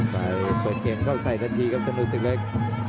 ไปเปิดเพลงเข้าใส่ทันทีครับขนาดสุดเล็ก